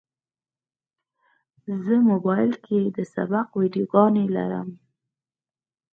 زه موبایل کې د سبق ویډیوګانې لرم.